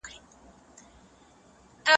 ماشومان باید د میوو د باغونو درناوی وکړي.